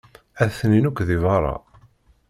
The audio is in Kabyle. Atenin akk di beṛṛa.